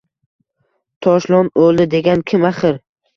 Toshlon o’ldi, degan kim axir?